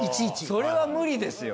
それは無理ですよ